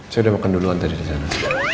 saya udah makan dulu antar di sana